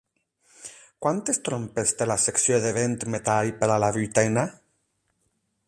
Quantes trompes té la secció de vent-metall per a la Vuitena?